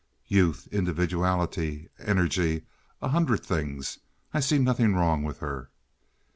"Youth, individuality, energy—a hundred things. I see nothing wrong with her."